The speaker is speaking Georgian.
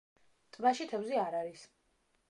ტბაში თევზი არ არის.